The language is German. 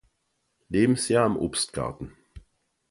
Lebensjahr im Obstgarten.